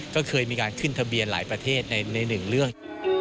ก็เคยมีการขึ้นทะเบียนหลายประเทศในหนึ่งเรื่อง